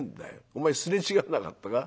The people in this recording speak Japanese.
お前擦れ違わなかったか。